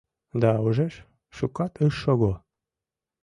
Да ужеш, шукат ыш шого: